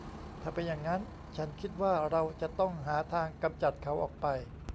ถ้าเป็นอย่างงั้น ฉันคิดว่าเราจะต้องหาทางกำจัดเขาออกไป